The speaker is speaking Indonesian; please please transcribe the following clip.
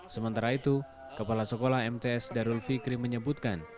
sementara itu kepala sekolah mts darul fikri menyebutkan